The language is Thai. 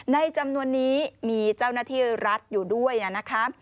จำนวนนี้มีเจ้าหน้าที่รัฐอยู่ด้วยนะครับ